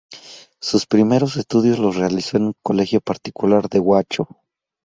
Sus primeros estudios los realizó en un colegio particular de Huacho.